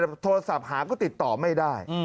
แต่โทรศัพท์หาก็ติดต่อไม่ได้